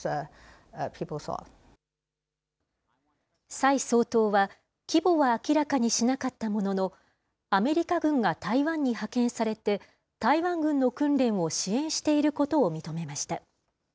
蔡総統は規模は明らかにしなかったものの、アメリカ軍が台湾に派遣されて、台湾軍の訓練を支援していることを認めました。